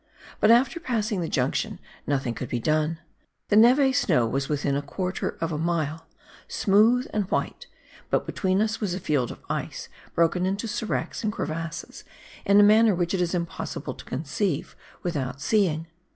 But after passing the junction nothing could be done. The neve snow was within a quarter of a mile, smooth and white, but between us was a field of ice broken into seracs and crevasses in a manner which it is impossible to conceive without seeing.